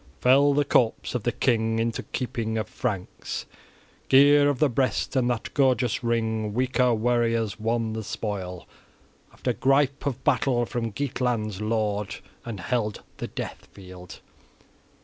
Fell the corpse of the king into keeping of Franks, gear of the breast, and that gorgeous ring; weaker warriors won the spoil, after gripe of battle, from Geatland's lord, and held the death field.